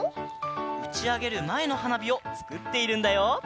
うちあげるまえのはなびをつくっているんだよ。